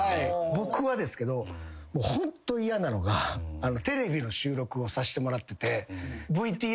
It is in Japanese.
僕はですけどホント嫌なのがテレビの収録をさせてもらってて。